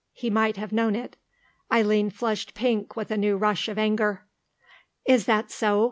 He might have known it. Eileen flushed pink with a new rush of anger. "Is that so?